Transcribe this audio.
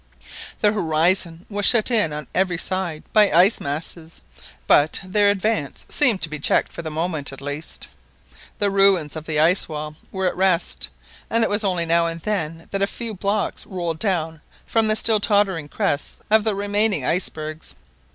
The horizon was shut in on every side by ice masses, but their advance appeared to be checked for the moment at least. The ruins of the ice wall were at rest, and it was only now and then that a few blocks rolled down from the still tottering crests of the remaining icebergs.